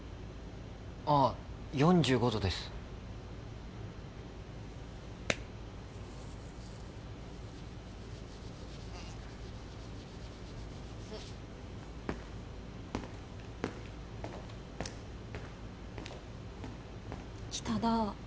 あっ４５度です北田